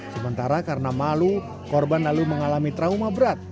sementara karena malu korban lalu mengalami trauma berat